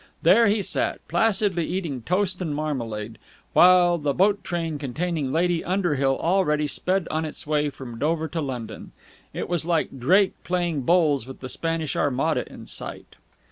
There he sat, placidly eating toast and marmalade, while the boat train containing Lady Underhill already sped on its way from Dover to London. It was like Drake playing bowls with the Spanish Armada in sight.